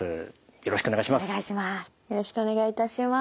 よろしくお願いします。